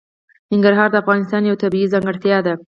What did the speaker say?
ننګرهار د افغانستان یوه طبیعي ځانګړتیا ده.